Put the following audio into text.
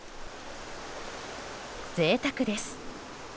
贅沢です。